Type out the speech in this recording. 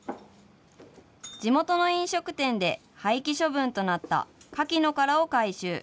地元の飲食店で廃棄処分となったかきの殻を回収。